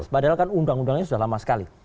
padahal kan undang undangnya sudah lama sekali